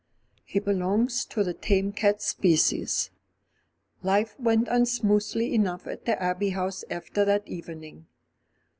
"He belongs to the Tame Cat Species." Life went on smoothly enough at the Abbey House after that evening.